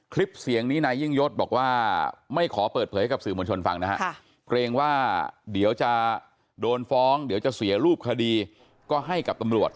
คลิปเสียงนี้นายยิ่งยศบอกว่าไม่ขอเปิดเผยกับสื่อมวลชนฟังนะฮะเกรงว่าเดี๋ยวจะโดนฟ้องเดี๋ยวจะเสียรูปคดีก็ให้กับตำรวจ